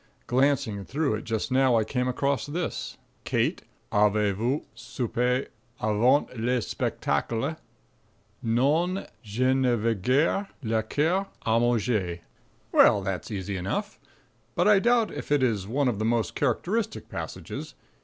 Glancing through it just now I came across this: "'Kate, avez vous soupé avant le spectacle?' 'Non, je n'avais guère le coeur à manger.'" Well, that's easy enough. But I doubt if it is one of the most characteristic passages.